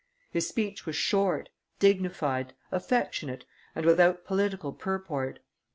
His speech was short, dignified, affectionate, and without political purport.